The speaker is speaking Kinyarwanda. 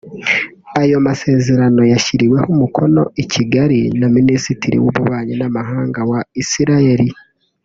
Ayo masezerano yashyiriweho umukono i Kigali na Minisitiri w’Ububanyi n’Amahanga wa Israel